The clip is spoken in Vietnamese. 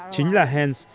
chính là hans